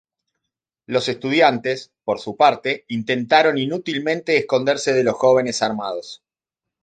Los estudiantes, por su parte, intentaron inútilmente esconderse de los jóvenes armados.